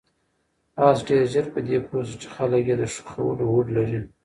آس ډېر ژر په دې پوه شو چې خلک یې د ښخولو هوډ لري.